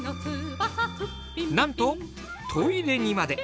なんとトイレにまで。